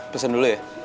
pesan dulu ya